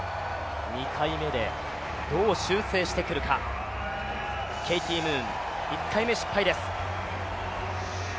２回目でどう修正してくるかケイティ・ムーン１回目失敗です。